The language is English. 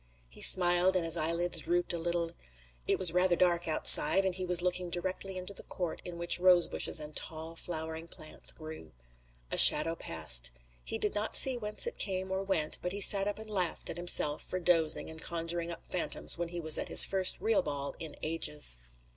He smiled and his eyelids drooped a little. It was rather dark outside, and he was looking directly into the court in which rosebushes and tall flowering plants grew. A shadow passed. He did not see whence it came or went, but he sat up and laughed at himself for dozing and conjuring up phantoms when he was at his first real ball in ages.